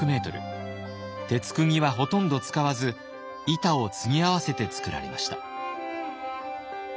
鉄くぎはほとんど使わず板を継ぎ合わせて造られました。